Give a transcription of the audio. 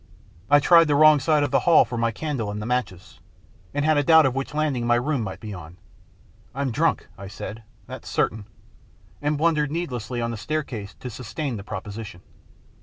I tried the wrong side of the hall for my candle and the matches, and had a doubt of which landing my room might be on. " I'm drunk," I said, " that's certain," and blundered needlessly on the staircase to sustain the proposition.